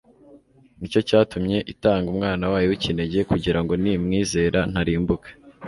ni cyo cyatumye itanga Umwana wayo w'ikinege kugira ngo nimwizera ntarimbuka,